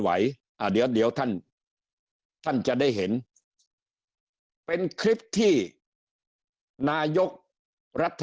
เดี๋ยวเดี๋ยวท่านท่านจะได้เห็นเป็นคลิปที่นายกรัฐ